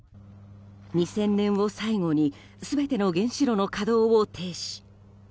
２０００年を最後に全ての原子炉の稼働を停止。